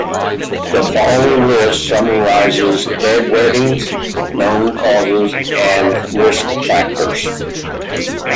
The following list summarizes bedwetting's known causes and risk factors.